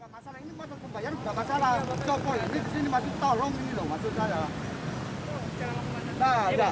masalah ini bukan masalah jopo ini disini masih tolong ini loh maksud saya